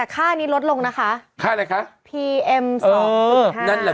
ค่านี้ลดลงเลยนะคะ